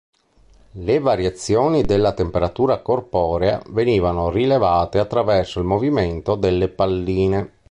Le variazioni della temperatura corporea venivano rilevate attraverso il movimento delle palline.